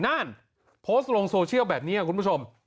นั่นโพสต์ลงโซเชียลแบบนี้คุณผู้ชม